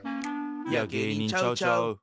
いや芸人ちゃうちゃう。